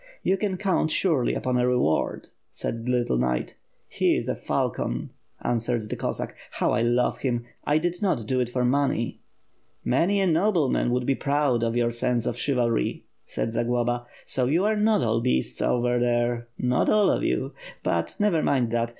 "You can count surely upon a reward," said the little knight. "He is a falcon!" answered the Cossack, "Jiow I love him! I did not do this for money." "Many a nobleman would be proud of your sense of chiv alry," said Zagloba. "So you are not all beasts over there, not all of you; but, never mind that.